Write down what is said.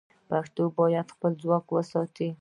پښتو باید خپل ځواک وساتي.